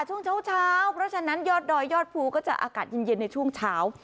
ช่วงเช้าเพราะฉะนั้นยอดดอยยอดภูก็จะอากาศเย็นในช่วงเช้า